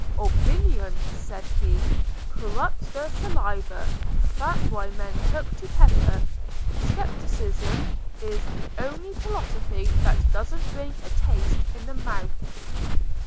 'Opinion,' said he, 'corrupts the saliva—that's why men took to pepper. Scepticism is the only philosophy that doesn't bring a taste in the mouth.